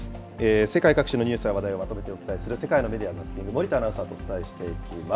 世界各地のニュースや話題をまとめてお伝えする世界のメディア・ザッピング、森田アナウンサーとお伝えしていきます。